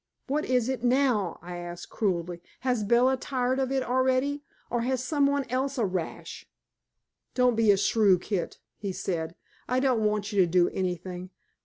"What is it now?" I asked cruelly. "Has Bella tired of it already, or has somebody else a rash?" "Don't be a shrew, Kit," he said. "I don't want you to do anything.